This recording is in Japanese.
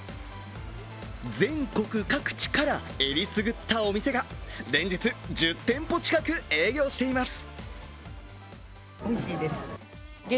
全国各地から選りすぐったお店が連日、１０店舗近く営業しています。